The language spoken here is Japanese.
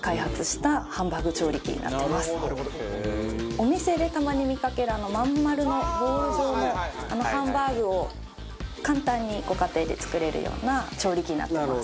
お店でたまに見かけるまん丸のボール状のハンバーグを簡単にご家庭で作れるような調理器になってます。